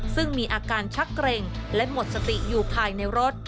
ซึ่งมีอาการชักเกร็งและหมดสติอยู่ภายในรถ